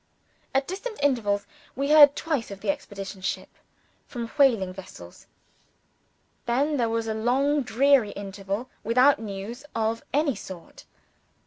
At distant intervals, we heard twice of the exploring ship, from whaling vessels. Then, there was a long dreary interval, without news of any sort.